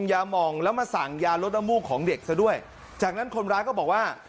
ยามองแล้วมาสั่งยาลดน้ำมูกของเด็กซะด้วยจากนั้นคนร้ายก็บอกว่า